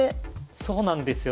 そうなんですよ。